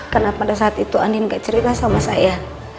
karena pada saat itu andien gak cerita sama saya